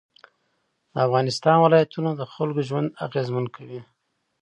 د افغانستان ولایتونه د خلکو ژوند اغېزمن کوي.